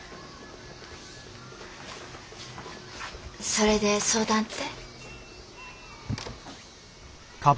それで相談って？